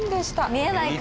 見えないか。